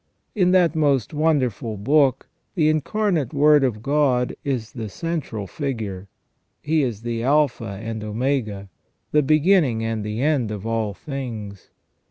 In that most wonderful book the Incarnate Word of God is the central figure. He is the Alpha and Omega, the beginning and the end of all things.